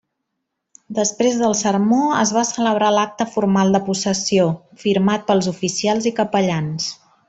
Després del sermó es va celebrar l'acte formal de possessió, firmat pels oficials i capellans.